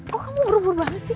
kok kamu berubur banget sih